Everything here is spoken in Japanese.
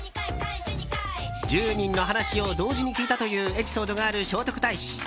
１０人の話を同時に聞いたというエピソードがある聖徳太子。